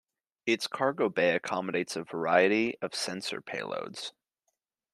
Its cargo bay accommodates a variety of sensor payloads.